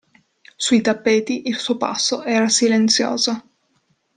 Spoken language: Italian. Sui tappeti il suo passo era silenzioso.